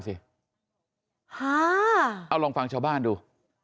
เอาลองฟังชาวบ้านดู